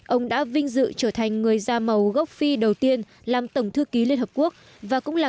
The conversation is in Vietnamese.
ông đã vinh dự trở thành người da màu gốc phi đầu tiên làm tổng thư ký liên hợp quốc và cũng là